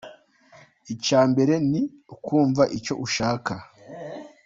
Icya mbere ni ukumva icyo ushaka.